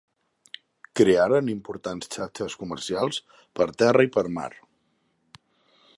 Crearen importants xarxes comercials per terra i per mar.